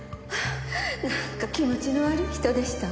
なんか気持ちの悪い人でしたわ。